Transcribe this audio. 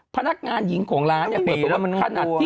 พนักงานหญิงของร้านเนี่ยเพราะสมมุติว่ามันหนีแล้วมันกลัวไง